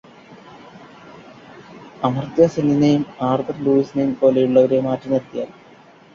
അമർത്യ സെന്നിനെയും ആർതർ ലൂയിസിനെയും പോലെയുള്ളവരെ മാറ്റിനിർത്തിയാൽ